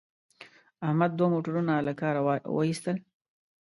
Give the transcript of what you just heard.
احمد دوه موټرونه له کاره و ایستل.